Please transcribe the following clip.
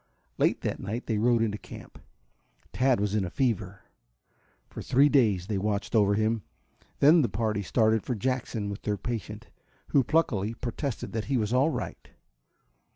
Late that night they rode into camp. Tad was in a fever. For three days they watched over him, then the party started for Jackson with their patient, who pluckily protested that he was all right.